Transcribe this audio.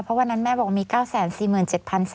เพราะวันนั้นแม่บอกว่ามี๙๔๗๓๐๐บาท